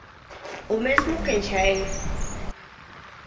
O mesmo que en Xaén.